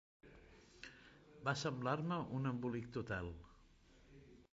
Va semblar-me un embolic total.